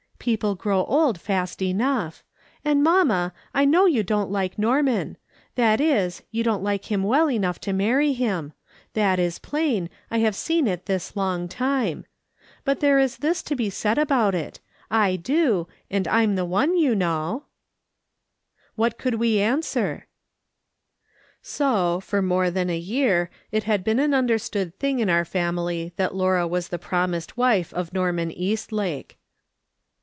"People grow old fast enough. And mamma, I know you don^t like Norman — that is, you don't like him well enough to marry him — that is plain, I have seen it this long time. But there is this to be said about it : I do, and I'm the one, you know." Wliat could we answer ? *'AND BEHOLD, THEY WERE ENGAGED." 257 So, for more than a year it had been an under stood thing in our family that Laura was the promised wife of Norman Eastlake.